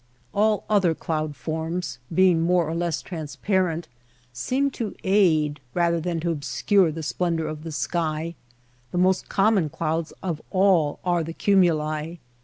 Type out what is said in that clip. All the other cloud forms, being more or less transparent, seem to aid rather than to obscure the splendor of the sky. The most common clouds of all are the cumuli.